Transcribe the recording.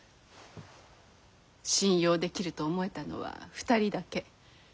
信用できると思えたのは２人だけ。